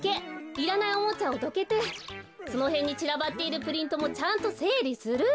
いらないおもちゃをどけてそのへんにちらばっているプリントもちゃんとせいりする！